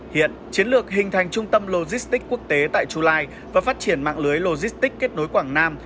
hiện chiến lược hình thành trung tâm logistics quốc tế tại chu lai và phát triển mạng lưới logistics kết nối quảng nam